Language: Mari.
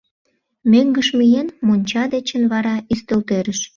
Мӧҥгыш миен, монча дечын вара ӱстелтӧрыш